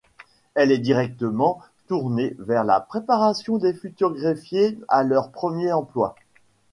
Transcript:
Elle est directement tournée vers la préparation des futurs greffiers à leur premier emploi.